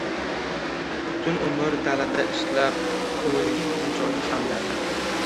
Butun umr dalada ishlab, koʻmilgani joyi ham yaqin...